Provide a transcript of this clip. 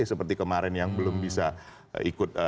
seperti kemarin yang belum bisa ikut